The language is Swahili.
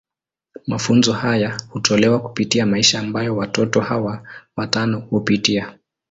Mafunzo haya hutolewa kupitia maisha ambayo watoto hawa watano hupitia.